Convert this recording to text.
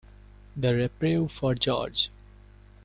The reprieve for George.